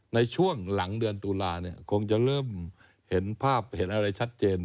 ในช่วงหลังเดือนตุลาเนี่ยคงจะเริ่มเห็นภาพเห็นอะไรชัดเจน